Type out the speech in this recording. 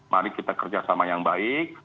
mari kita kerjasama yang baik